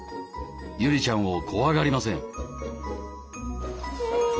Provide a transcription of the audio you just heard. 祐里ちゃんを怖がりません。